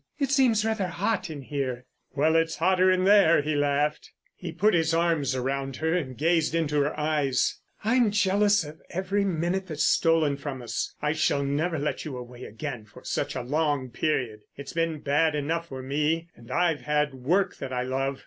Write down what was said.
"It seems rather hot in here." "Well, it's hotter in there," he laughed. He put his arms around her and gazed into her eyes. "I'm jealous of every minute that's stolen from us. I shall never let you go away again for such a long period. It's been bad enough for me, and I've had work that I love.